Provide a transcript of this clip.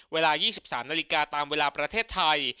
เวลา๒๓นาฬิกาตามเวลาประเทศไทย